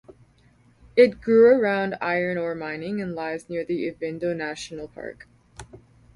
It grew around iron ore mining and lies near the Ivindo National Park.